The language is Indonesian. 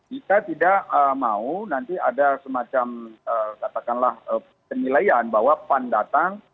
kita tidak mau nanti ada semacam katakanlah penilaian bahwa pan datang